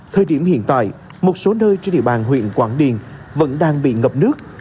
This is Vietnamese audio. thời điểm hiện tại một số nơi trên địa bàn huyện quảng điền vẫn đang bị ngập nước